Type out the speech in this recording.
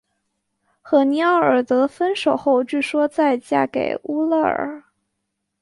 和尼奥尔德分手后据说再嫁给乌勒尔。